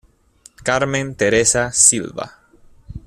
Carmen Teresa Silva.